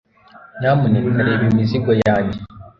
nyamuneka reba imizigo yanjye